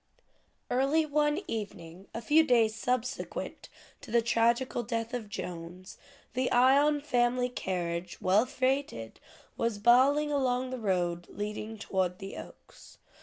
Early one evening, a few days subsequent to the tragical death of Jones, the Ion family carriage, well freighted, was bowling along the road leading toward the Oaks.